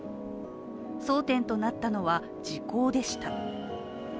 争点となったのは時効でした。